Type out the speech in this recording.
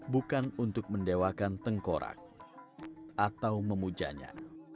bukan untuk mendewakan tengkorak atau memujanya